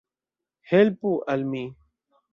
Helpu al mi.